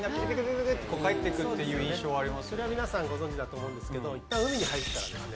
それは皆さんご存じだと思うんですけどいったん海に入ったらですね